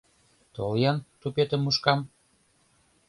— Тол-ян, тупетым мушкам.